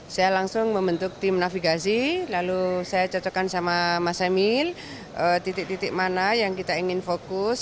saya langsung membentuk tim navigasi lalu saya cocokkan sama mas emil titik titik mana yang kita ingin fokus